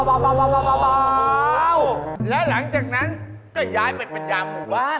โอ้ยยยยยแล้วหลังจากนั้นก็ย้ายไปเป็นยำหมู่บ้าน